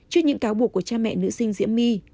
trước những cáo buộc của cha mẹ nữ sinh diễm my